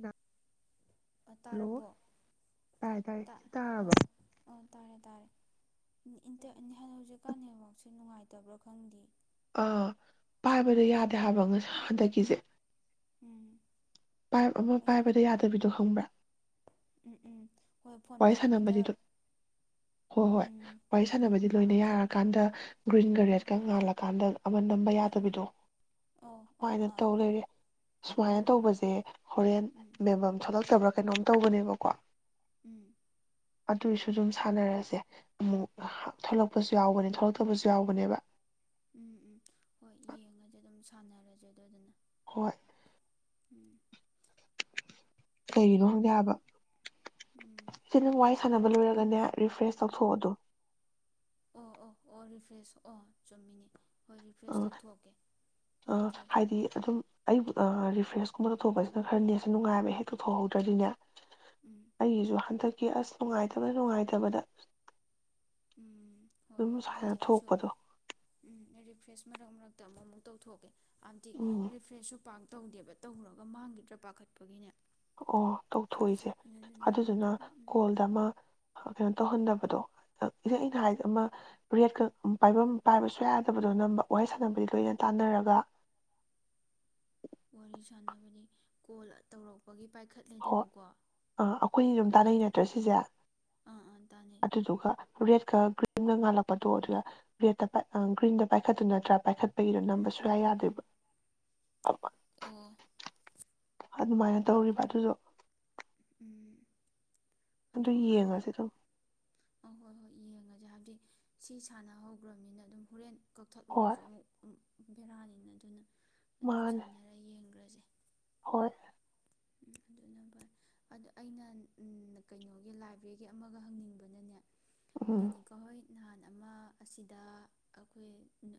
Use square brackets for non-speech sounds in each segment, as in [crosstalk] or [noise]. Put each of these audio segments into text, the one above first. ꯅ [unintelligible] ꯇꯥꯔꯕꯣ ꯇꯥꯔꯦ ꯑꯣ ꯁꯤ ꯇꯥꯔꯕꯣ ꯑꯣ ꯑꯣ ꯇꯥꯔꯦ ꯇꯥꯔꯦ ꯍꯧꯖꯤꯛꯀꯥꯟ ꯅꯦꯠꯋꯥꯛꯁꯦ ꯅꯨꯡꯉꯥꯏꯇꯦ ꯇꯕ꯭ꯔꯥ ꯈꯪꯗꯤ ꯑꯥ ꯄꯥꯏꯕꯗ ꯌꯥꯗꯦ ꯍꯥꯏꯕ ꯉꯁ ꯍꯟꯗꯛꯀꯤꯁꯦ ꯎꯝ ꯑꯃ ꯑꯩ ꯄꯥꯏꯕꯗ ꯌꯥꯗꯕꯤꯗꯣ ꯍꯪꯕ꯭ꯔꯥ ꯎꯝ ꯎꯝ ꯍꯣꯏ ꯐꯣꯟ ꯋꯥꯔꯤ ꯄꯥꯏꯕꯗ ꯁꯥꯟꯅꯕꯗꯤ ꯍꯣꯏ ꯍꯣꯏ ꯎꯝ ꯋꯥꯔꯤ ꯁꯥꯟꯅꯕꯗꯤ ꯂꯣꯏꯅ ꯌꯥꯔꯒ ꯀꯥꯟꯗ ꯒ꯭ꯔꯤꯟꯒ ꯎꯝ ꯔꯦꯗꯀ ꯉꯥꯜꯂꯀꯥꯟꯗ ꯑꯃ ꯅꯝꯕ ꯎꯝ ꯌꯥꯗꯕꯤꯗꯣ ꯑꯧ ꯑꯥ ꯁꯨꯃꯥꯏꯅ ꯑꯥ ꯇꯧ ꯂꯩꯔꯦ ꯁꯨꯃꯥꯏꯅ ꯎꯝ ꯇꯧꯕꯁꯦ ꯍꯣꯔꯦꯟ ꯎꯝ ꯃꯦꯝꯐꯝ ꯊꯣꯛꯂꯛꯇꯕ꯭ꯔꯥ ꯀꯩꯅꯣꯝ ꯇꯧꯕꯅꯦꯕꯀꯣ ꯎꯝ ꯑꯗꯨꯏꯁꯨ ꯑꯗꯨꯝ ꯁꯥꯟꯅꯔꯁꯦ ꯑꯃꯨꯛ ꯊꯣꯛꯂꯛꯄꯁꯨ ꯌꯥꯎꯕꯅꯦ ꯊꯣꯛꯂꯛꯇꯕꯁꯨ ꯌꯥꯎꯕꯅꯦꯕ ꯎꯝ ꯎꯝ ꯍꯣꯏ ꯌꯦꯡꯉꯁ ꯑꯗꯨꯝ ꯁꯥꯟꯅꯔꯁꯦ ꯑꯗꯨꯗꯨꯅ ꯍꯣꯏ ꯎꯝ ꯀꯩꯒꯤꯅꯣ ꯈꯪꯗꯦ ꯍꯥꯏꯕ ꯎꯝ ꯁꯤꯅ ꯋꯥꯔꯤ ꯃꯥꯅꯦ ꯁꯥꯟꯅꯕ ꯂꯣꯏꯔꯒꯅꯦ ꯔꯤꯐ꯭ꯔꯦꯁ ꯇꯧꯊꯣꯛꯑꯣ ꯑꯗꯣ ꯑꯣ ꯑꯣ ꯑꯣ ꯔꯤꯐ꯭ꯔꯦꯁ ꯑꯣ ꯆꯨꯝꯃꯤꯅꯦ ꯍꯣꯏ ꯔꯤꯐ꯭ꯔꯦꯁ ꯑꯥ ꯇꯧꯊꯣꯛꯀꯦ ꯑꯥ ꯅꯠꯇ꯭ꯔꯗꯤ ꯍꯥꯏꯗꯤ ꯑꯗꯨꯝ ꯑꯩꯕꯨ ꯐ꯭ꯔꯦꯁ ꯀꯨꯝꯕꯗ ꯇꯧꯊꯣꯛꯄꯁꯤꯅ ꯈꯔ ꯅꯦꯠꯁꯦ ꯅꯨꯡꯉꯥꯏꯕꯅꯦ ꯍꯦꯛ ꯇꯧꯊꯣꯛꯍꯧꯗ꯭ꯔꯗꯤꯅꯦ ꯎꯝ ꯑꯩꯒꯤꯁꯨꯨ ꯍꯟꯇꯛ ꯑꯁ ꯅꯨꯡꯉꯥꯏꯇꯕꯗ ꯅꯨꯡꯉꯥꯏꯇꯕꯗ ꯎꯝ ꯍꯣꯏ ꯑꯗꯨꯝ ꯍꯣꯏ ꯁꯨꯃꯥꯏꯅ ꯑꯗꯨꯗꯤ ꯑꯩꯁꯨ ꯊꯣꯛꯄꯗꯣ ꯎꯝ ꯐ꯭ꯔꯦꯁ ꯃꯔꯛ ꯃꯔꯛꯇ ꯑꯃꯨꯛ ꯑꯃꯨꯛ ꯇꯧꯊꯣꯛꯀꯦ [unintelligible] ꯎꯝ ꯑꯔꯤꯐ꯭ꯔꯦꯁꯨ ꯄꯥꯛ ꯇꯧꯗꯦꯕ ꯇꯧꯔꯒ ꯃꯥꯡꯈꯤꯗ꯭ꯔꯥ ꯄꯥꯈꯠꯄꯒꯤꯅꯦ ꯑꯣ ꯇꯧꯊꯣꯛꯑꯣ ꯏꯆꯦ ꯑꯗꯨꯗꯨꯅ ꯀꯣꯜꯗ ꯑꯃ ꯀꯩꯅꯣ ꯇꯧꯍꯟꯗꯕꯗꯣ ꯑꯩꯅ ꯍꯥꯏ ꯑꯃ ꯔꯦꯠꯀ ꯄꯥꯏꯐꯝ ꯄꯥꯏꯕꯁꯨ ꯌꯥꯗꯕꯗꯣ ꯅꯝꯕ ꯋꯥꯔꯤ ꯁꯥꯟꯅꯕꯗꯤ ꯂꯣꯏꯅ ꯇꯥꯟꯅꯔꯒ ꯋꯥꯔꯤ ꯁꯥꯟꯅꯕꯅꯤ ꯀꯣꯜ ꯇꯧꯔꯛꯄꯒꯤ ꯍꯣꯏ ꯄꯥꯏꯈꯠꯂꯦꯗꯅꯀꯣ ꯑꯥ ꯑꯩꯈꯣꯏꯅꯤ ꯑꯗꯨꯝ ꯇꯥꯅꯩ ꯑꯗꯨ ꯅꯠꯇ꯭ꯔꯥ ꯁꯤꯁꯦ ꯑꯥ ꯑꯥ ꯇꯥꯅꯩ ꯑꯗꯨꯗꯨꯒ ꯔꯦꯗꯀ ꯒ꯭ꯔꯤꯟ ꯆꯨꯝꯅ ꯉꯥꯜꯂꯛꯄꯗꯣ ꯑꯗꯨ ꯔꯦ ꯒ꯭ꯔꯤꯟꯗ ꯄꯥꯏꯈꯠꯇꯨ ꯅꯠꯇ꯭ꯔꯥ ꯄꯥꯏꯈꯠ ꯑꯩꯗꯣ ꯅꯝꯕ ꯎꯝ ꯎꯝ ꯁꯨꯡꯌꯥ ꯎꯝ ꯌꯥꯗꯣꯏꯕ ꯑꯣ ꯑꯗꯨꯃꯥꯏꯅ ꯑ ꯇꯧꯔꯤꯕ ꯑꯗꯨꯗꯣ ꯎꯝ ꯑꯗꯨ ꯍꯥꯏꯔꯒ ꯌꯦꯡꯉꯁꯤ ꯑꯗꯨꯝ ꯑꯥ ꯍꯣꯏ ꯍꯣꯏ ꯌꯦꯡꯉꯁꯦ ꯍꯥꯏꯕꯗꯤ ꯁꯤ ꯁꯥꯟꯅꯍꯧꯈ꯭ꯔꯕꯅꯤꯅ ꯑꯗꯨꯝ ꯍꯣꯔꯦꯟ ꯍꯣꯏ ꯀꯛꯊꯠꯂꯨꯔꯁꯨ ꯑꯃꯨꯛ ꯕꯦꯔꯥꯅꯤꯅ ꯑꯗꯨꯅ ꯑꯗꯨꯝ ꯃꯥꯅꯦ ꯁꯥꯟꯅꯔ ꯌꯦꯡꯈ꯭ꯔꯁꯦ ꯍꯣꯏ ꯎꯝ ꯑꯗꯨꯅ ꯐꯔꯦ ꯑꯗꯨ ꯑꯩꯅ ꯀꯩꯅꯣꯒꯤ ꯂꯥꯏꯕ꯭ꯔꯦꯒꯤ ꯑꯃꯒ ꯍꯪꯅꯤꯡꯕꯅꯅꯦ ꯎꯝ ꯂꯤꯅꯤꯀꯥ ꯍꯣꯏ ꯅꯍꯥꯟ ꯑꯃ ꯑꯁꯤꯗ ꯑꯩꯈꯣꯏ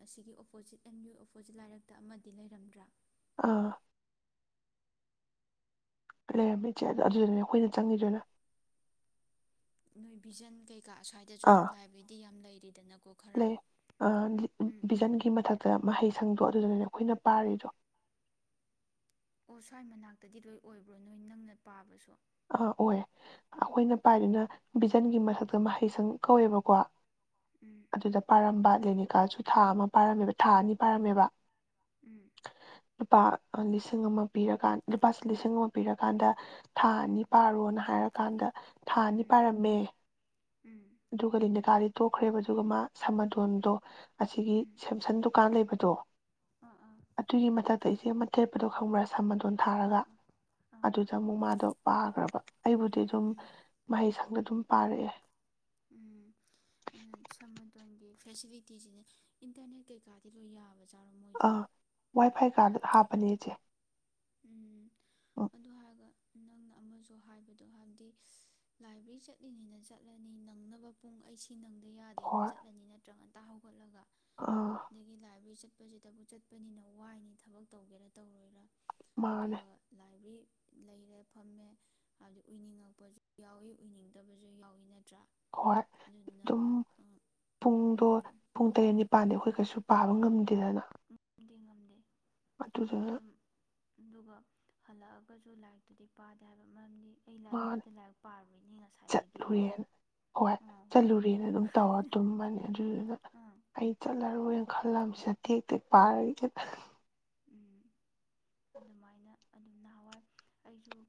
ꯑꯁꯤꯒꯤ ꯑꯣꯄꯣꯖꯤꯠ ꯑꯝ ꯌꯨ ꯑꯣꯄꯣꯖꯤꯠ ꯂꯥꯏꯔꯛꯇ ꯑꯃꯗꯤ ꯂꯩꯔꯝꯗ꯭ꯔꯥ ꯑꯥ ꯂꯩꯔꯝꯃꯤ ꯏꯆꯦ ꯑꯗꯨ ꯑꯗꯨꯗꯨꯅꯦ ꯑꯩꯈꯣꯏꯅ ꯆꯪꯉꯤꯗꯨꯅ ꯅꯣꯏ ꯚꯤꯖꯟ ꯀꯩꯩ ꯀꯥ ꯑꯁ꯭ꯋꯥꯏꯗꯁꯨ ꯑꯥ ꯂꯥꯏꯕ꯭ꯔꯦꯗꯤ ꯌꯥꯝꯅ ꯂꯩ ꯗꯤꯗꯅ ꯂꯩ ꯑ ꯂꯤ ꯕꯤꯖꯟꯒꯤ ꯃꯊꯛꯇ ꯃꯍꯩꯁꯪꯗꫭ ꯑꯗꯨꯗꯅꯅꯦ ꯑꯈꯣꯏꯅ ꯄꯥꯔꯤꯗꯣ ꯑꯣ ꯁ꯭ꯋꯥꯏ ꯃꯅꯥꯛꯇꯗꯤ ꯂꯣꯏ ꯑꯣꯏꯕ꯭ꯔꯣ ꯅꯣꯏ ꯅꯪꯅ ꯄꯥꯕꯁꯨ ꯑꯥ ꯑꯣꯏ ꯑꯈꯣꯏꯅ ꯄꯥꯏꯗꯨꯅ ꯕꯤꯖꯟꯒꯤ ꯃꯊꯛꯇ ꯃꯍꯩꯁꯪ ꯀꯧꯋꯦꯕꯀꯣ ꯎꯝ ꯑꯗꯨꯗ ꯄꯥꯔꯝꯕ ꯂꯦꯅꯤꯀꯥꯁꯨ ꯊꯥ ꯑꯃ ꯄꯥꯏꯔꯝꯃꯦꯕ ꯊꯥ ꯑꯅꯤ ꯄꯥꯏꯔꯝꯃꯦꯕ꯫ ꯎꯝ꯫ ꯂꯨꯄꯥ ꯂꯤꯁꯤꯡ ꯑꯃ ꯄꯤꯔꯀꯥꯟ ꯂꯨꯄꯥ ꯂꯤꯁꯤꯡ ꯑꯃ ꯄꯤꯔꯀꯥꯟꯗ ꯊꯥ ꯎꯝ ꯑꯅꯤ ꯄꯥꯔꯣꯅ ꯍꯥꯏꯔꯀꯥꯟꯗ ꯊꯥ ꯑꯅꯤ ꯎꯝ ꯄꯥꯏꯔꯝꯃꯦ ꯎꯝ ꯑꯗꯨꯒ ꯂꯤꯅꯤꯀꯥ ꯇꯣꯛꯈ꯭ꯔꯦꯕ ꯑꯗꯨꯒ ꯃꯥ ꯁꯃꯥꯗꯣꯟꯗꯣ ꯑꯁꯤꯒꯤ ꯎꯝ ꯁꯦꯝꯁꯪ ꯗꯨꯀꯥꯟ ꯂꯩꯕ ꯗꯣ ꯑꯥ ꯑꯥ ꯑꯗꯨꯒꯤ ꯃꯊꯛꯇ ꯏꯆꯦ ꯑꯃ ꯊꯦꯠꯄꯗꯣ ꯈꯪꯕ꯭ꯔ? ꯁꯝ ꯃꯗꯣꯟ ꯑꯥ ꯑꯥ ꯊꯥꯔꯒ ꯑꯥ ꯑꯥ ꯑꯥ ꯑꯗꯨꯗ ꯑꯃꯨꯛ ꯃꯥꯗꯣ [unintelligible] ꯑꯩꯕꯨꯗꯤ ꯑꯗꯨꯝ ꯎꯝ ꯃꯍꯩ ꯁꯪꯗ ꯑꯗꯨꯝ ꯄꯥꯥ ꯔꯦ꯫ ꯎꯝ ꯑꯗꯨ ꯁꯝꯃꯗꯣꯟꯒꯤ ꯐꯦꯁꯤꯂꯤꯇꯤꯁꯤꯅꯦ ꯏꯟꯇꯔꯅꯦꯠ ꯀꯩꯀꯥꯗꯤ ꯂꯣꯏ ꯌꯥꯕ ꯑ ꯋꯥꯏ ꯐꯥꯏ ꯀꯗꯤ ꯍꯥꯞ [unintelligible] ꯆꯦ꯫ ꯎꯝ꯫ ꯑꯗꯨ ꯍꯥꯏꯔꯒ ꯅꯪꯅ ꯑꯃꯁꯨ ꯍꯥꯏꯕꯗꯣ ꯍꯥꯏꯕꯗꯤ ꯂꯥꯏꯕ꯭ꯔꯦꯔꯤ ꯆꯠꯂꯤꯅꯤꯅ ꯆꯠꯂꯅꯤ ꯅꯪꯅꯕ ꯄꯨꯡ ꯑꯩꯁꯦ ꯁꯤ ꯅꯪꯗꯤ ꯌꯥꯗꯦꯅ ꯍꯣꯏ ꯆꯠꯂꯅꯤ ꯅꯠꯇ꯭ꯔꯒꯅ ꯑꯥ ꯑꯗꯒꯤ ꯂꯥꯏꯕ꯭ꯔꯦꯔꯤ ꯆꯠ ꯆꯠꯄꯁꯤꯗꯕꯨ ꯆꯠꯄꯅꯤꯅ ꯋꯥꯏꯅꯤ ꯊꯕꯛ ꯇꯧꯒꯦꯔꯥ ꯇꯧꯔꯣꯏꯔꯥ꯫ ꯃꯥꯅꯦ ꯑꯗꯨꯒ ꯂꯥꯏꯕꯔ꯭ꯦ ꯔꯤ ꯂꯩꯔꯦ ꯐꯝꯃꯦ ꯍꯥꯏꯕꯗꯤ ꯎꯏꯅꯤꯡꯉꯛꯄꯁꯨ ꯌꯥꯎꯏꯤ ꯎꯏꯅꯤꯡꯗꯕꯁꯨ ꯌꯥꯎꯏꯤ ꯅꯠ ꯍꯣꯏ ꯑꯗꯨꯝ ꯄꯨꯡꯗꯣ ꯄꯨꯡ ꯇꯔꯦꯠ ꯅꯤꯄꯥꯜꯗ ꯑꯩꯈꯣꯏ ꯀꯩꯁꯨ ꯄꯥꯕ ꯉꯝꯗꯦꯗꯅ꯫ ꯗꯤ ꯉꯝ ꯗꯦ꯫ ꯑꯗꯨꯗꯨꯅꯥ ꯑꯗꯨꯒ ꯍꯜꯂꯛꯑꯒꯁꯨ ꯂꯥꯏꯔꯤꯛꯇꯨꯗꯤ ꯄꯥꯗꯦ ꯍꯥꯏꯕ ꯃꯔꯝꯗꯤ ꯑꯩ ꯃꯥꯅꯤ ꯂꯥꯏꯕ꯭ꯔꯦꯔꯤꯗ ꯂꯥꯏꯔꯤꯛ ꯄꯥꯔꯨꯏꯅꯦ ꯉꯁꯥꯏꯗꯒꯤꯅ ꯆꯠꯂꯨꯔꯦꯅ ꯍꯣꯏ ꯑꯥ ꯍꯣꯏ ꯆꯠꯂꯨꯔꯦꯅ ꯑꯗꯨꯝ ꯇꯧꯔ ꯇꯨꯝꯃꯅꯤ ꯑꯗꯨꯗꯨꯅ ꯑꯥ ꯑꯩ ꯆꯠꯂꯔꯣꯏꯦꯅ ꯈꯜꯂꯝꯁꯤꯗ [unintelligible] ꯎꯝ ꯑꯗꯨꯃꯥꯏꯅ ꯑꯗꯨꯝ ꯅꯍꯥꯟꯋꯥꯏ ꯑꯩꯁꯨ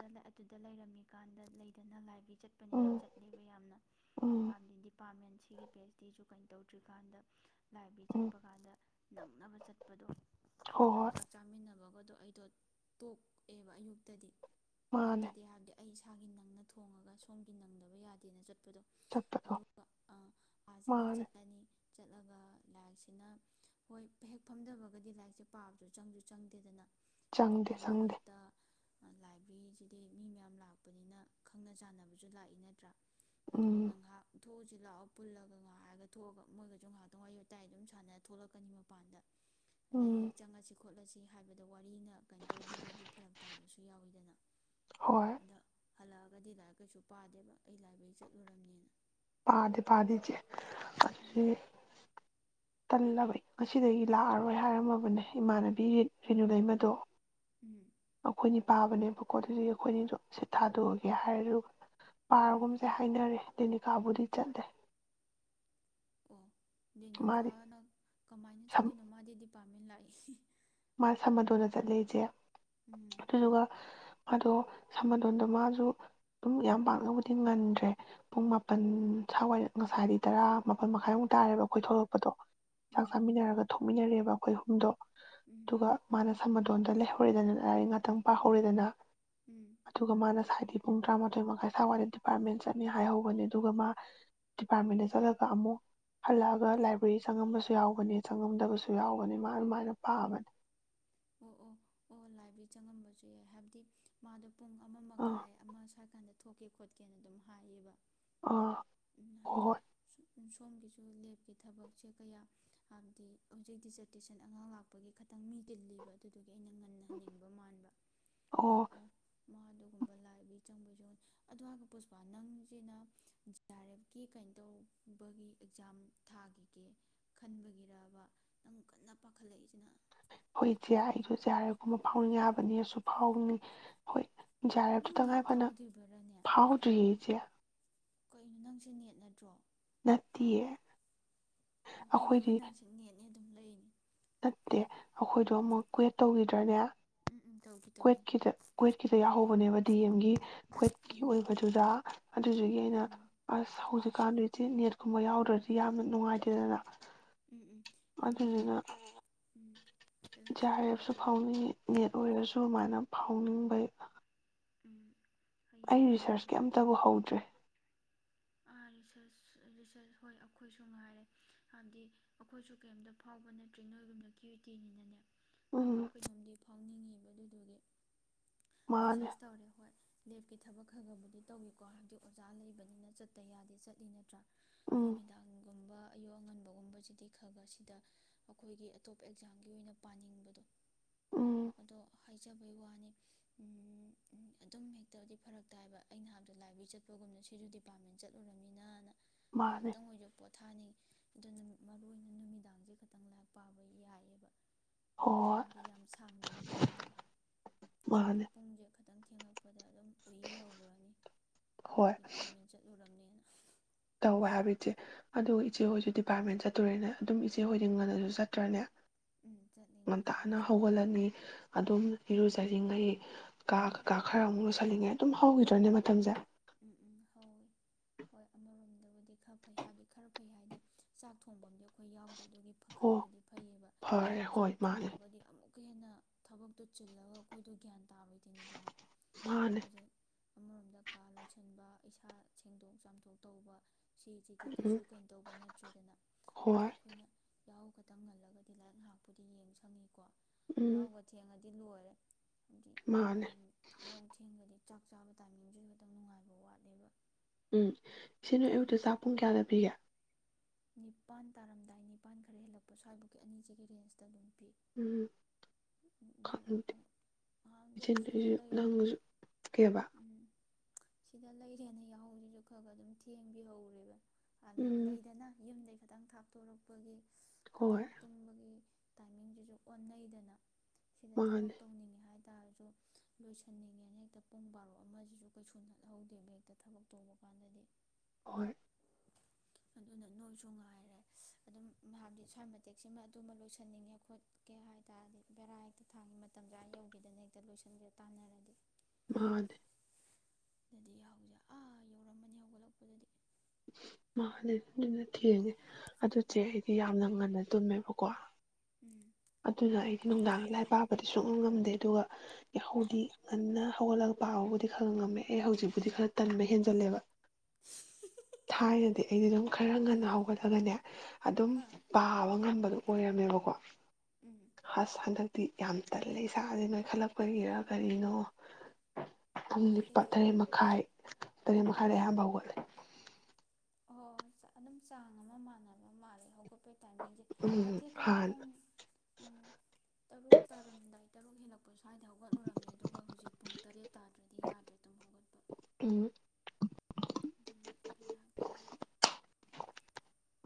ꯔꯦꯟꯇ ꯑꯗꯨꯗ ꯂꯩꯔꯝꯃꯤꯀꯥꯟꯗ ꯂꯩꯗꯅ ꯂꯥꯏꯕꯤ ꯆꯠꯄꯅꯦꯅ ꯎꯝ ꯆꯠꯂꯦꯕ ꯌꯥꯝꯅ ꯎꯝ ꯍꯥꯏꯕꯗꯤ ꯗꯤꯄꯥꯔꯠꯃꯦꯟ ꯁꯤꯒꯤ ꯄꯦꯆꯇꯤꯁꯨ ꯀꯩꯅ ꯇꯧꯗ꯭ꯔꯤꯀꯥꯟꯗ ꯂꯥꯏꯕꯔ꯭ꯦ ꯑꯩ ꯎꯝ ꯆꯠꯄ ꯀꯥꯟꯗ ꯅꯡꯅꯕ ꯆꯠꯄ ꯍꯣꯏ ꯃꯌꯥꯝ ꯍꯣꯏ ꯆꯥꯛ ꯆꯥꯃꯤꯟꯅꯕ ꯑꯗꯣ ꯑꯩꯗꯣ ꯇꯣꯛꯑꯦꯕ ꯑꯌꯨꯛꯇꯗꯤ ꯃꯥꯅꯦ ꯑꯌꯨꯛꯇꯗꯤ ꯌꯥꯗꯦ ꯑꯩ ꯏꯁꯥꯒꯤ ꯅꯪꯅ ꯊꯣꯡꯉꯒ ꯁꯣꯝꯒꯤ ꯅꯪꯗꯕ ꯌꯥꯗꯦꯅ ꯆꯠꯄ ꯆꯠꯄꯗꯣ ꯆꯠꯄꯗꯣ ꯑꯗꯨꯒ ꯑꯥꯁꯤꯅ ꯃꯥꯅꯦ ꯆꯠꯂꯅꯤ ꯆꯠꯂꯒ ꯂꯥꯏꯛꯁꯤꯅ ꯍꯣꯏ ꯍꯦꯛ ꯐꯝꯊꯕꯒꯗꯤ ꯂꯥꯏꯔꯤꯛꯁꯦ ꯄꯥꯕꯗ ꯆꯪꯁꯨ ꯆꯪꯗꯦꯗꯅ ꯆꯪꯗꯦ ꯑꯗꯨꯒ ꯆꯪꯗꯦ ꯃꯔꯛꯇ ꯂꯥꯏꯕ꯭ꯔꯦꯔꯤꯁꯤꯗꯤ ꯃꯤ ꯃꯌꯥꯝ ꯂꯥꯛꯄꯅꯤꯅ ꯈꯪꯅ ꯆꯥꯟꯅꯕꯁꯨ ꯂꯥꯛꯏ ꯅꯠꯇ꯭ꯔꯥ ꯑꯗꯨꯗꯨ ꯎꯝ ꯅ ꯉꯥꯏꯍꯥꯛ ꯊꯣꯛꯎꯁꯤ ꯂꯥꯛꯑ ꯄꯨꯜꯂꯒ ꯉꯥꯏꯍꯥꯛꯔꯒ ꯊꯣꯛꯑꯒ ꯃꯣꯏꯒꯁꯨ ꯉꯥꯏꯍꯇꯪ ꯋꯥꯔꯤ ꯋꯥꯇꯥꯏ ꯑꯗꯨꯝ ꯁꯥꯟꯅꯔ ꯊꯣꯛꯂꯛꯀꯅꯤ ꯃꯄꯥꯟꯗ ꯑꯗꯩ ꯍꯦꯛ ꯎꯝ ꯆꯪꯉꯁꯤ ꯈꯣꯠꯂꯁꯤ ꯍꯥꯏꯕꯗꯣ ꯋꯥꯔꯤꯅ ꯀꯩꯅ ꯇꯧꯈꯤꯕꯒꯤ ꯐꯔꯛ ꯇꯥꯕꯁꯨ ꯌꯥꯎꯋꯤꯗꯅ ꯍꯣꯏ ꯑꯗ ꯍꯜꯂꯛꯑꯒꯗꯤ ꯂꯥꯏꯔꯤꯛ ꯀꯩꯁꯨ ꯄꯥꯗꯦꯕ ꯑꯩ ꯂꯥꯏꯕ꯭ꯔꯦꯔꯤ ꯆꯠꯂꯨꯔꯕꯅꯤꯅ ꯄꯥꯗꯦꯄꯥꯗꯦ ꯏꯆꯦ ꯑꯁꯤ ꯎꯝ [unintelligible] ꯇꯜꯂꯕ ꯉꯁꯤꯗꯒꯤ ꯂꯥꯛꯑꯔꯣꯏ ꯍꯥꯏꯔꯝꯃꯕꯅꯦ ꯏꯃꯥꯟꯅꯕꯤ ꯔꯤꯅꯨ ꯂꯩꯃꯗꯣ ꯎꯝ ꯑꯩꯈꯣꯏꯅꯤ ꯄꯥꯕꯅꯦꯕ ꯀꯣ ꯑꯗꯨꯗꯤ ꯑꯩꯈꯣꯏꯅꯤꯗꯣ ꯁꯤꯠ ꯊꯥꯗꯣꯛꯑꯒꯦ ꯍꯥꯏꯔ ꯎꯝ ꯄꯥꯔꯒꯨꯝꯁꯦ ꯍꯥꯏꯅꯔꯦ ꯕꯨꯗꯤ ꯆꯠꯂꯦ ꯎꯝ ꯗꯅꯤ ꯀꯥ ꯃꯥꯗꯤ ꯅꯪ ꯀꯃꯥꯏꯅ ꯆꯠꯂꯤꯅꯣ ꯃꯥꯗꯤ ꯄꯥꯝꯃꯤ ꯂꯥꯛ ꯃꯥ ꯁꯃꯗꯣꯟꯗ ꯆꯠꯂꯦ ꯏꯆꯦ ꯎꯝ ꯑꯗꯨꯗꯨꯒ ꯑꯗꯣ ꯁꯃꯗꯣꯟꯗꯣ ꯃꯥꯁꯨ ꯑꯗꯨꯝ ꯌꯥꯝ ꯄꯥꯛꯅꯕꯨꯗꯤ ꯉꯟꯗ꯭ꯔꯦ ꯄꯨꯡ ꯃꯥꯄꯜ ꯁꯋꯥꯏꯔ ꯉꯁꯥꯏꯗꯤ ꯇꯔꯥ ꯃꯥꯄꯜ ꯃꯈꯥꯏꯃꯨꯛ ꯇꯥꯔꯦꯕ ꯑꯩꯈꯣꯏ ꯊꯣꯛꯂꯛꯄꯗꯣ ꯆꯥꯛ ꯎꯝ ꯆꯥꯃꯤꯟꯅꯔꯒ ꯊꯣꯛꯃꯤꯟꯅꯔꯦꯕ ꯑꯩꯈꯣꯏ ꯑꯍꯨꯝꯗꯣ ꯎꯝ ꯑꯗꯨꯒ ꯃꯥꯅ ꯁꯃꯗꯣꯟꯗ ꯂꯩꯍꯧꯔꯦꯗꯅ ꯂꯥꯏꯔꯤꯛ ꯉꯥꯛꯇꯪ ꯄꯥꯍꯧꯔꯦꯗꯅ ꯎꯝ ꯑꯗꯨꯒ ꯃꯥꯅ ꯁꯗꯤ ꯄꯨꯡ ꯇꯔꯥꯃꯥꯊꯣꯏ ꯃꯈꯥꯏ ꯁ꯭ꯋꯥꯏꯗ ꯗꯤꯄꯥꯔꯠꯃꯦꯟ ꯆꯠꯅꯤ ꯍꯥꯏꯍꯧꯕꯅꯦ ꯑꯗꯨꯒ ꯃꯥ ꯗꯤꯄꯥꯔꯠꯃꯦꯟꯗ ꯆꯠꯂꯒ ꯑꯃꯨꯛ ꯍꯜꯂꯛꯑꯒ ꯂꯥꯏꯕ꯭ꯔꯦꯔꯤ ꯆꯪꯉꯝꯕꯁꯨ ꯌꯥꯎꯕꯅꯤ ꯆꯪꯉꯝꯗꯕꯁꯨ ꯌꯥꯎꯕꯅꯤ ꯃꯥ ꯑꯗꯨꯃꯥꯏꯅ ꯄꯥꯕꯅꯤ ꯑꯣ ꯑꯣ ꯑꯣ ꯂꯥꯏꯕ ꯆꯪꯉꯝꯕꯁꯨ ꯌꯥꯏ ꯍꯥꯏꯕꯗꯤ ꯃꯥꯗꯣ ꯄꯨꯡ ꯑꯃ ꯑꯥ ꯃꯈꯥꯏ ꯑꯃ ꯁ꯭ꯔꯀꯥꯟꯗ ꯊꯣꯛꯀꯦ ꯈꯣꯠꯀꯦꯅ ꯑꯗꯨꯝ ꯍꯥꯏꯌꯦꯕ ꯑꯥ ꯎꯝ, ꯍꯥꯏꯕꯗꯤ ꯍꯣꯏ ꯁꯣ- ꯁꯣꯝꯒꯤꯁꯨ ꯂꯦꯞꯀꯤ ꯊꯕꯛꯁꯦ ꯀꯌꯥ ꯍꯥꯏꯕꯗꯤ ꯍꯧꯖꯤꯛ ꯗꯤꯖꯔꯇꯦꯁꯟ ꯑꯉꯥꯡ ꯂꯥꯛꯄꯒꯤ ꯈꯤꯇꯪ ꯃꯤ ꯇꯤꯜꯂꯤꯕ ꯑꯗꯨꯗꯣ ꯑꯣ ꯑꯣ ꯑꯣ ꯃꯥ ꯑꯗꯨꯒꯨꯝꯕ ꯂꯥꯛꯕꯒꯤ ꯆꯪꯕꯁꯨ ꯑꯗꯨꯋꯥꯒ ꯄꯨꯁꯄꯥ ꯅꯪꯁꯤꯅ ꯖꯤ ꯑꯥꯔ ꯑꯦꯐꯀꯤ ꯀꯩꯅꯣ ꯇꯧꯕꯒꯤ ꯑꯦꯛꯖꯥꯝ ꯊꯥꯈꯤꯒꯦ ꯈꯟꯕꯒꯤꯔꯔꯕ ꯅꯪ ꯀꯟꯅ ꯄꯥꯈꯠꯂꯛꯏꯁꯤꯅ ꯍꯣꯏ ꯏꯆꯦ ꯑꯩꯁꯨ ꯖꯦ ꯑꯥꯔ ꯑꯦꯐ ꯒꯨꯝꯕꯁꯨ ꯐꯥꯎꯅꯤꯡꯉꯦ ꯍꯥꯏꯕꯅꯤ ꯑꯩꯁꯨ ꯐꯥꯎꯅꯤ ꯍꯣꯏ ꯖꯦ ꯑꯥꯔ ꯑꯦꯐ ꯇꯨ ꯅꯪ ꯇꯉꯥꯏ ꯅꯦꯠ ꯐꯗꯅ ꯐꯥꯎꯗ꯭ꯔꯤꯕꯔꯅꯦ ꯐꯥꯎꯗ꯭ꯔꯤꯌꯦ ꯏꯆꯦ ꯀꯩꯅꯣ ꯅꯪꯁꯦ ꯅꯦꯠ ꯅꯗ꯭ꯔꯣ ꯅꯠꯇꯦ ꯑꯣ ꯑꯩꯅ ꯑꯃ ꯅꯪꯁꯤꯅꯦ ꯑꯗꯨꯝ ꯂꯩꯅꯤ ꯅꯠꯇꯦ ꯑꯩꯈꯣꯏꯗꯣ ꯑꯃꯨꯛ ꯀ꯭ꯋꯦꯠ ꯇꯧꯈꯤꯗ꯭ꯔꯅꯦ ꯎꯝ ꯎꯝ ꯇꯧꯒꯦ ꯇꯧꯒꯦ ꯀ꯭ꯋꯠꯀꯤꯗ ꯀ꯭ꯋꯠꯀꯤꯗ ꯌꯥꯎꯍꯧꯕꯅꯦꯕ ꯗꯤ ꯑꯦꯝꯒꯤ ꯀꯋꯦꯠꯀꯤ ꯎꯝ ꯑꯣꯏꯕꯗꯨꯗ ꯑꯗꯨꯗꯨꯒꯤ ꯑꯩꯅ ꯎꯝ ꯑꯁ ꯍꯧꯖꯤꯛꯀꯥꯟꯗꯨꯗꯤ ꯅꯦꯠ ꯀꯨꯝꯕ ꯌꯥꯎꯗ꯭ꯔꯗꯤ ꯌꯥꯝꯅ ꯅꯨꯡꯉꯥꯏꯇꯦꯗꯅ ꯎꯝ ꯎꯝ ꯑꯦ ꯃꯥꯅꯤ ꯑꯗꯨꯗꯨꯅ ꯎꯝ ꯖꯤ ꯐꯦꯂꯣꯁꯤꯞ ꯑꯥꯔ ꯑꯦꯐꯁꯨ ꯌꯥꯎꯗ꯭ꯔꯗꯤ ꯐꯥꯎꯅꯤꯡꯉꯦ ꯅꯦꯠ ꯑꯣꯏꯔꯁꯨ ꯑꯗꯨꯃꯥꯏꯅ ꯐꯥꯎꯅꯤꯡꯕꯩ ꯎꯝ ꯍꯌꯦꯡ ꯑꯩ ꯔꯤꯁꯥꯔꯁ ꯀꯩꯅꯣꯗꯁꯨ ꯀꯩꯝꯇꯕꯨ ꯍꯧꯗ꯭ꯔꯦ ꯔꯤꯁꯔꯁ ꯔꯤꯁꯔꯁ ꯍꯣꯏ ꯑꯩꯈꯣꯏꯁꯨ ꯉꯥꯏꯔꯦ ꯍꯥꯏꯕꯗꯤ ꯑꯩꯈꯣꯏꯁꯨ ꯀꯔꯤꯝꯇ ꯐꯥꯎꯕ ꯅꯠꯇ꯭ꯔꯦ ꯅꯣꯏꯒꯨꯝꯅ ꯀ꯭ꯌꯨꯇꯤꯅꯤꯅꯅꯦ ꯀꯩꯅꯣꯝ ꯎꯝ ꯀꯩꯅꯣꯝ ꯐꯥꯎꯅꯤꯡꯉꯤꯕ ꯑꯗꯨꯕꯨꯗꯤ ꯃꯥꯅꯦ ꯔꯤꯁꯔꯁ ꯇꯧꯔꯦ ꯍꯣꯏ ꯂꯦꯞꯀꯤ ꯊꯕꯛ ꯈꯔ ꯈꯕꯨꯗꯤ ꯇꯧꯏꯤꯀꯣ ꯍꯥꯏꯕꯗꯤꯛ ꯑꯣꯖꯥ ꯂꯩꯕꯅꯤꯅ ꯆꯠ ꯇꯌꯥꯗꯦ ꯆꯠꯂꯤ ꯅꯠꯇ꯭ꯔꯥ ꯎꯝ ꯅꯨꯃꯤꯗꯥꯡꯒꯨꯝꯕ ꯑꯌꯨꯛ ꯑꯉꯟꯕꯒꯨꯝꯕꯁꯤꯗꯤ ꯈ ꯈ ꯁꯤꯗ ꯑꯩꯈꯣꯏꯒꯤ ꯑꯇꯣꯞ ꯑꯦꯛꯖꯥꯝꯒꯤ ꯑꯣꯏꯅ ꯄꯥꯅꯤꯡꯕꯗꯣ ꯎꯝ ꯑꯗꯣ ꯍꯥꯏꯖꯕꯩ ꯋꯥꯅꯤ ꯑꯗꯨꯝ ꯍꯦꯛꯇꯗꯤ ꯐꯔꯛ ꯇꯥꯏꯕ ꯑꯩꯅ ꯍꯥꯏꯕꯗ ꯂꯥꯏꯕ꯭ꯔꯦꯔꯤ ꯆꯠꯄꯒꯨꯝꯅ ꯁꯤꯁꯨ ꯗꯤꯄꯥꯔꯠꯃꯦꯟ ꯆꯠꯂꯨꯔꯕꯃꯤꯅꯅ ꯃꯥꯅꯦ ꯉꯥꯏꯍꯥꯛꯇꯪ ꯑꯣꯏꯕ ꯄꯣꯊꯥꯅꯤ ꯑꯗꯨ ꯅꯨꯃꯤꯠ ꯃꯔꯨ ꯑꯣꯏꯅ ꯅꯨꯃꯤꯗꯥꯡꯁꯦ ꯈꯤꯇꯪ ꯂꯥꯏꯔꯤꯛ ꯄꯥꯕ ꯌꯥꯏꯑꯕ ꯈꯤꯇꯪ ꯍꯣꯏ ꯍꯥꯏꯗꯤ ꯌꯥꯝ ꯁꯥꯡꯗꯕꯤꯗ ꯃꯇꯝ ꯑꯗꯨ ꯃꯥꯅꯦ ꯄꯨꯡꯁꯦ ꯈꯤꯇꯪ ꯊꯦꯡꯉꯛꯄꯗ ꯑꯗꯨꯝ ꯎꯏ ꯍꯧꯈ꯭ꯔꯅꯤ ꯍꯣꯏ ꯗꯤꯄꯥꯔꯠꯃꯦꯟ ꯆꯠꯂ ꯇꯧꯋꯦ ꯍꯥꯏꯕ ꯏꯆꯦ ꯑꯗꯣ ꯎꯝ ꯏꯆꯦ ꯍꯣꯏꯁꯨ ꯗꯤꯄꯥꯔꯠꯃꯦꯟ ꯆꯠ ꯇꯨꯔꯦꯅꯦ ꯑꯗꯨꯝ ꯏꯆꯦ ꯍꯣꯏꯗꯤꯡ ꯉꯜꯂꯁꯨ ꯆꯠꯇ꯭ꯔꯅꯦ꯫ ꯎꯝ ꯆꯠꯂꯤ ꯉꯟꯅꯁꯨ ꯉꯟꯇꯥꯅ ꯆꯠꯅꯤ ꯍꯧꯒꯠꯂꯅꯤ ꯑꯗꯨꯝ ꯎꯝ ꯏꯔꯨꯖꯔꯤꯉꯩ ꯀꯥ ꯎꯝ ꯀꯩꯀꯥ ꯈꯔ ꯑꯃꯨꯛ ꯂꯨꯁꯤꯜꯂꯤꯉꯩ ꯑꯗꯨꯝ ꯎꯝ ꯍꯧꯈꯤꯗ꯭ꯔꯅꯦ ꯃꯇꯝꯁꯦ ꯎꯝ ꯎꯝ ꯍꯣꯏ ꯍꯣꯏ ꯑꯃꯔꯣꯝꯗ꯫ ꯍꯥꯏꯗꯤ ꯈꯔ ꯐꯩ ꯍꯥꯏꯗꯤ ꯆꯥꯛ ꯊꯣꯡꯐꯝ ꯑꯩꯈꯣꯏ ꯌꯥꯎ ꯑꯗꯨꯒꯤ ꯑꯣ ꯐꯛꯈ꯭ꯔꯕꯨꯗꯤ ꯐꯩꯌꯦꯕ ꯐꯔꯦ ꯆꯥꯛ ꯍꯣꯏ ꯃꯥꯅꯦ ꯊꯣꯡꯉꯒꯗꯤ ꯑꯃꯨꯛ ꯑꯃꯨꯛꯀ ꯍꯦꯟꯅ ꯊꯕꯛꯇꯨ ꯆꯤꯜꯂꯒ ꯑꯩꯈꯣꯏꯗꯣ ꯒ꯭ꯌꯥꯟ ꯇꯥꯔꯣꯏ ꯃꯥꯅꯦ꯫ ꯑꯃꯔꯣꯝꯗ ꯀꯥ ꯂꯣꯏꯁꯤꯟꯕ ꯏꯁꯥ ꯁꯦꯡꯗꯣꯛ ꯆꯥꯝꯊꯣꯛ ꯇꯧꯕ ꯁꯤꯁꯤꯗꯤ ꯀꯩꯁꯨ ꯎꯝ ꯀꯩꯅꯣ ꯇꯧꯕ ꯅꯠꯇ꯭ꯔꯦꯗꯅ ꯍꯥꯏꯗꯤ ꯍꯣꯏ ꯑꯩꯈꯣꯏꯅ ꯌꯥꯍꯧ ꯈꯣꯇꯥꯪ ꯉꯜꯂꯒꯗꯤ ꯂꯥꯏꯔꯤꯛ ꯉꯥꯏꯍꯥꯛꯄꯨꯗꯤ ꯌꯦꯡ ꯁꯪꯉꯤꯀꯣ꯫ ꯎꯝ ꯌꯥꯍꯧꯒ ꯊꯦꯉꯥꯗꯤ ꯂꯣꯏꯔꯦ꯫ ꯍꯥꯏꯗꯤ ꯃꯥꯅꯦ ꯌꯥꯍꯧ ꯊꯦꯡꯕꯗꯣ ꯆꯥꯛ ꯆꯥꯕ ꯇꯥꯏꯃꯤꯡꯁꯨ ꯈꯤꯇꯪ ꯅꯨꯡꯉꯥꯏꯕ ꯋꯥꯠꯂꯦꯕ ꯎꯝ ꯏꯆꯦ ꯅꯣꯏ ꯑꯌꯨꯛꯇ ꯆꯥꯛ ꯄꯨꯡ ꯀꯌꯥꯗ ꯄꯤꯒꯦ? ꯅꯤꯄꯜ ꯇꯥꯔꯝꯗꯥꯏ ꯅꯤꯄꯥꯟ ꯈꯔ ꯍꯦꯜꯂꯛꯄ ꯁ꯭ꯋꯥꯏꯐꯕꯨꯀꯤ ꯑꯅꯤꯁꯤꯒꯤ ꯔꯦꯟꯖꯇ ꯑꯗꯨꯝ ꯄꯤ ꯎꯝ ꯈꯪꯗꯦ ꯑꯗꯨ ꯏꯆꯦ [unintelligible] ꯁꯤꯗ ꯅꯪꯁꯨ ꯂꯩꯔꯝꯃꯤ ꯅꯪꯁꯨ ꯀꯩꯕ ꯎꯝ꯫ ꯁꯤꯗ ꯂꯩꯔꯦꯅ ꯌꯥꯎꯍꯧꯔꯤꯁꯨ ꯈꯔ- ꯈꯔ ꯑꯗꯨꯝ ꯊꯦꯡꯕꯤꯍꯧꯔꯦꯕ꯫ ꯑꯗꯨꯗꯗꯤ ꯎꯝ ꯂꯩꯗꯅ ꯌꯨꯝꯗꯩ ꯈꯤꯇꯪ ꯊꯥꯞꯇꯣꯔꯛꯄꯒꯤ꯫ ꯈꯤꯇꯪ ꯍꯣꯏ ꯇꯨꯝꯕꯒꯤ ꯇꯥꯏꯃꯤꯡꯗꯨꯁꯨ ꯑꯣꯟꯅꯩꯗꯅ ꯫ ꯁꯤꯗ ꯊꯕꯛ ꯃꯥꯅꯦ ꯇꯧꯅꯤꯡꯉꯤ ꯍꯥꯏ ꯍꯥꯏ ꯇꯥꯔꯁꯨ ꯂꯣꯏꯁꯟꯅꯤꯡꯉꯦꯅ ꯍꯦꯛꯇ ꯄꯨꯡ ꯕꯥꯔꯣ ꯑꯃꯁꯤꯁꯨ ꯀꯩꯁꯨ ꯈꯪꯍꯧꯗꯦꯕꯥ ꯍꯦꯛꯇꯥ ꯊꯕꯛ ꯇꯧꯕ ꯀꯥꯟꯗꯗꯤ꯫ ꯍꯣꯏ꯫ ꯑꯗꯨꯅ ꯅꯣꯏꯁꯨ ꯉꯥꯏꯔꯦ ꯑꯗꯨꯝ ꯍꯥꯏꯕꯗꯤ ꯁ꯭ꯋꯥꯏ ꯃꯇꯦꯛꯁꯤꯃ ꯑꯗꯨꯃ ꯂꯣꯏꯁꯤꯟꯅꯤꯡꯉꯦ ꯈꯣꯠꯀꯦ ꯍꯥꯏ ꯇꯥꯔꯗꯤ ꯕꯦꯔꯥ ꯍꯦꯛꯇ ꯊꯥꯉꯤ ꯃꯇꯝꯗ ꯌꯧꯈꯤꯗꯅ ꯍꯦꯛꯇ ꯂꯣꯏꯁꯤꯟꯒꯦ ꯇꯥꯟꯅꯔꯗꯤ ꯃꯥꯅꯦ꯫ ꯑꯗꯨꯗꯤ ꯌꯥꯎꯁꯦ ꯑꯥ ꯌꯧꯔꯝꯃꯅꯤ ꯍꯧꯒꯠꯂꯛꯄꯗꯗꯤ꯫ ꯃꯥꯅꯤ ꯑꯗꯨꯅ ꯎꯝ ꯊꯦꯡꯉꯦ ꯑꯗꯨꯆꯦ ꯑꯩꯗꯤ ꯌꯥꯝꯅ ꯉꯟꯅ ꯇꯨꯝꯃꯦꯕꯀꯣ ꯎꯝ ꯑꯗꯨꯅ ꯑꯩꯗꯤ ꯅꯨꯡꯗꯥꯡ ꯂꯥꯏ ꯄꯥꯕꯗꯤ ꯁꯨꯛꯉꯝ ꯉꯝꯗꯦ ꯑꯗꯨꯒ ꯇꯥꯍꯧꯗꯤ ꯉꯟꯅ ꯍꯧꯒꯠꯂ ꯄꯥꯕꯨꯗꯤ ꯈꯔ ꯉꯝꯃꯦ ꯑꯦ ꯍꯧꯖꯤꯛꯄꯨꯗꯤ ꯈꯔ ꯇꯟꯕ ꯍꯦꯟꯖꯜꯂꯦꯕ꯫ ꯊꯥꯢꯅꯥꯗꯤ ꯑꯩꯗꯤ ꯑꯗꯨꯝ ꯈꯔ ꯉꯟꯅ ꯍꯧꯒꯠꯂꯒꯅꯦ ꯑꯗꯨꯝ ꯑꯥ ꯄꯥꯕ ꯉꯝꯕꯗꯣ꯫ ꯑꯣꯏꯔꯃꯦꯕꯀꯣ ꯎꯝ ꯍꯁ ꯍꯟꯗꯛ ꯗꯤ ꯌꯥꯝ ꯇꯜꯂꯦ ꯏꯁꯥꯁꯦ ꯅꯣꯏ ꯈꯜꯂꯛꯄꯒꯤꯔ ꯀꯔꯤꯅꯣ [unintelligible] ꯑꯦꯍꯦ ꯇꯔꯦꯠ ꯃꯈꯥꯏ ꯇꯔꯦꯠ ꯎꯝ ꯃꯈꯥꯏꯗ ꯑꯌꯥꯝꯕ ꯍꯧꯒꯠꯂꯦ ꯑꯣ ꯑꯗꯨꯝ ꯆꯥꯡ ꯑꯃ ꯃꯥꯟꯅꯕ ꯃꯥꯜꯂꯦ ꯍꯧꯒꯠꯄ ꯑꯩ ꯇꯥꯏꯃꯤꯡꯁꯦ ꯎꯝ ꯃꯇꯦꯛ ꯈꯔ ꯍꯥꯟꯅ ꯄꯨꯡ ꯇꯔꯨꯛ ꯇꯥꯔꯝꯗꯥꯏ [unintelligible] ꯁ꯭ꯋꯥꯏꯗ ꯍꯧꯒꯠꯂꯨꯨꯔꯔꯕꯅꯦ ꯑꯗꯨꯒ ꯍꯧꯖꯤꯛ ꯄꯨꯡ ꯇꯔꯦꯠ ꯇꯥꯗ꯭ꯔꯗꯤ ꯌꯥꯗ꯭ꯔꯦ ꯑꯗꯨꯝ ꯍꯧꯒꯠꯄ ꯎꯝ ꯑꯗꯨꯅ ꯕꯦꯔꯥ ꯀꯥꯔꯦ [unintelligible]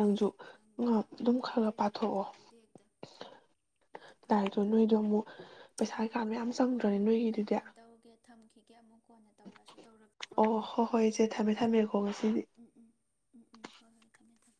ꯑꯁ ꯉ ꯈꯪꯗꯦꯗ ꯑꯗꯨꯝ ꯈꯔ ꯃꯇꯝꯁꯦ ꯈ ꯒ꯭ꯌꯥꯟ ꯄꯥꯊꯣꯛꯑꯣ ꯇꯥꯍꯧꯗꯦ ꯍꯦꯛꯇ ꯍꯦꯛꯇ ꯐꯔꯛ ꯇꯗꯣ ꯇꯥꯏ ꯅꯣꯏꯗꯣ ꯑꯃꯨꯛ ꯄꯩꯁꯥ ꯀꯩꯀꯥ ꯃꯌꯥꯝ ꯆꯪꯗ꯭ꯔꯅꯤ ꯅꯣꯏꯒꯤꯗꯨꯗꯤ ꯀꯦ ꯑꯃꯨꯛ ꯀꯣꯟꯅ ꯇꯧꯔꯑꯁꯨ ꯑꯣ ꯍꯣ ꯍꯣꯏ ꯏꯆꯦ ꯊꯝꯃꯦ ꯊꯝꯃꯦꯀꯣ ꯉꯁꯤꯗꯤ ꯎꯝ ꯎꯝ ꯎꯝ ꯎꯝ ꯍꯣꯏ ꯍꯣꯏ ꯊꯝꯃꯦ ꯊꯝꯃꯦ